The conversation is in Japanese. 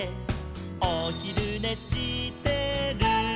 「おひるねしてる」